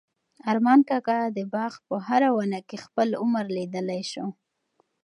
ارمان کاکا د باغ په هره ونه کې خپل عمر لیدلی شو.